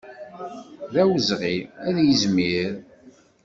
D awezɣi ad s-yizmir.